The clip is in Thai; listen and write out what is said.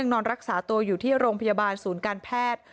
นอนรักษาตัวอยู่ที่โรงพยาบาลศูนย์การแพทย์